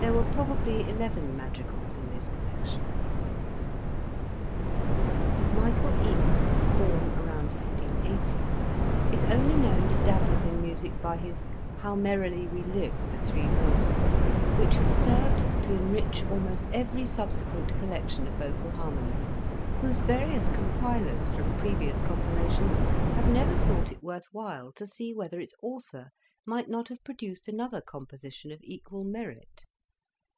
There were probably eleven madri gals in this collection. Michael Este, 1580? ?, is only known to dabblers in music by his '' How merrily we live," for three voices, which has served to enrich almost every subsequent collection of vocal harmony, whose various compilers from previous compilations have never thought it worth while to see whether its author might not have produced another composition of equal merit.